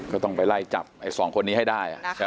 ก็ต้องไปไล่จับไอ้สองคนนี้ให้ได้